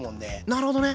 なるほどね。